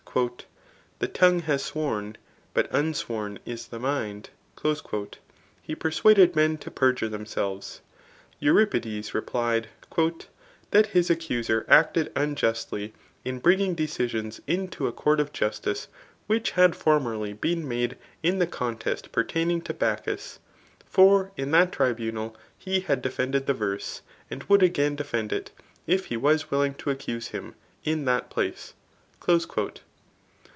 The tongue has sworn, but unsworn is the mind, he persuaded men to perjure themselves, Euripides re^ plied, " That his accuser acted unjustly, in bringing de cisions into a court of justice, which had formerly been made in the contest pertaining to Bacchus ; for in that tribunal) he had defended the verse, and would again defend it, if he was willing to accuse him in that place."